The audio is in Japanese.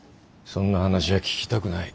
そんな話は聞きたくない。